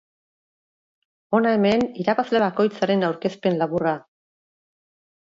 Hona hemen irabazle bakoitzaren aurkezpen laburra.